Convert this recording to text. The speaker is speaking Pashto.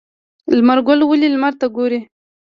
لمر ګل ولې لمر ته ګوري؟